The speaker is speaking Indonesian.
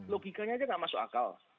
logikanya saja tidak masuk akal